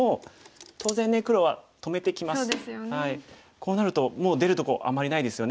こうなるともう出るとこあんまりないですよね。